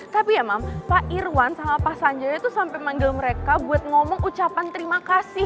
tapi ya mam pak irwan sama pak sanjaya itu sampai manggil mereka buat ngomong ucapan terima kasih